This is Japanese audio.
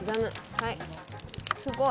はい。